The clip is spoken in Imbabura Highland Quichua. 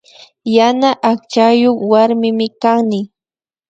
Yana akchayuk warmimi kani